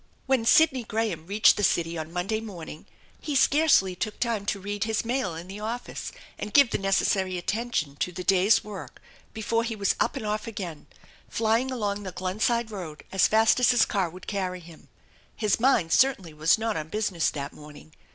When Sidney Graham reached the city on Monday morn ing he scarcely took time to read his mail in the office and 860 THE ENCHANTED BARN give the necessary attention to the day's work before he was ap and off again, flying along the Glenside Koad as fast as his car would carry him. His mind certainly was not on business that morning.